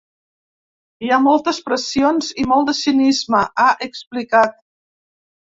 Hi ha moltes pressions i molt de cinisme, ha explicat.